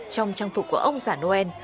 trong trang phục của ông giả noel